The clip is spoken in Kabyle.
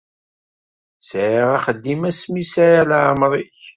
Sɛiɣ axeddim asmi sɛiɣ leɛmeṛ-ik.